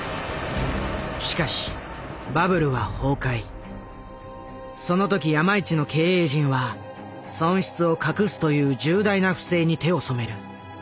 しかしその時山一の経営陣は損失を隠すという重大な不正に手をそめる。